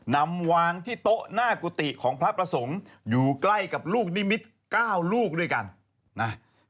นำวางที่โต๊ะหน้ากุฏิของพระประสงค์อยู่ใกล้กับลูกนิมิตร๙ลูกด้วยกันนะ